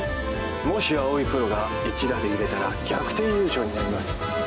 もし青井プロが１打で入れたら逆転優勝になります。